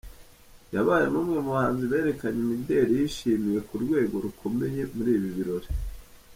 Yabaye n’umwe mu bahanzi berekanye imideli yishimiwe ku rwego rukomeye muri ibi birori.